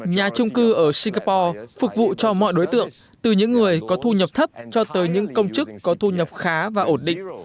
nhà trung cư ở singapore phục vụ cho mọi đối tượng từ những người có thu nhập thấp cho tới những công chức có thu nhập khá và ổn định